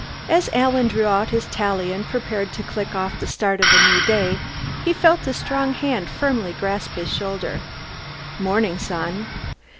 As Alan drew out his Tally and prepared to click off the start of a new day, he felt a strong hand firmly grasp his shoulder. "Morning, son."